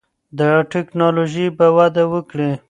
دا ټکنالوژي به وده وکړي.